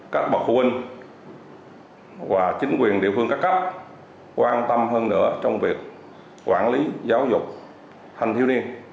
các bậc phụ huynh và chính quyền địa phương các cấp quan tâm hơn nữa trong việc quản lý giáo dục thanh thiếu niên